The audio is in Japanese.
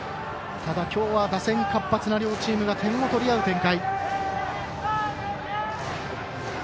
ただ、きょうは打線活発な両チームが点を取り合う展開。